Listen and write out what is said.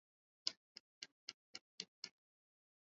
benki kuu inatakiwa kutunza akiba ya fedha za kigeni